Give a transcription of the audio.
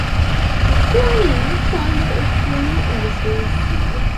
Forney, founder of Forney Industries.